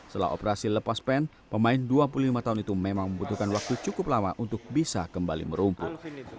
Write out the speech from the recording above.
setelah operasi lepas pen pemain dua puluh lima tahun itu memang membutuhkan waktu cukup lama untuk bisa kembali merumput